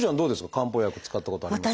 漢方薬使ったことありますか？